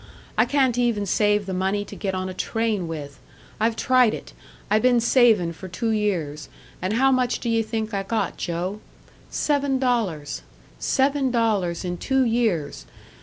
I can't even save the money to get on a train with! I've tried it I been savin' for two years and how much d'ye think I got, Joe? Seven dollars! Seven dollars in two years!